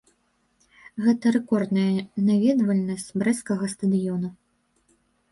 Гэта рэкордная наведвальнасць брэсцкага стадыёна.